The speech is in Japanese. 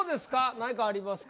何かありますか？